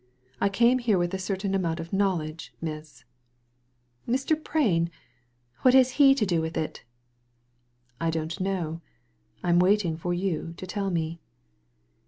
I came here with a certain amount of knowledge, miss." " Mr. Prain ? What has he to do with it ?"" I don't know. I'm waiting for you to tell me.